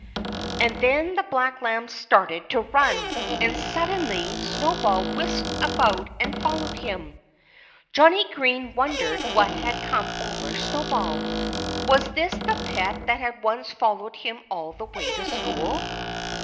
And then the black lamb started to run. And suddenly Snowball whisked about and followed him. Johnnie Green wondered what had come over Snowball. Was this the pet that had once followed him all the way to school?